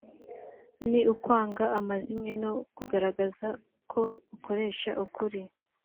ni ukwanga amazimwe no kugaragaza ko ukoresha ukuri.